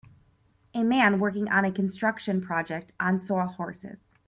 A man working on a construction project on saw horses.